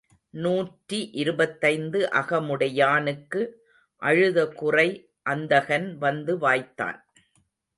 நூற்றி இருபத்தைந்து அகமுடையானுக்கு அழுத குறை அந்தகன் வந்து வாய்த்தான்.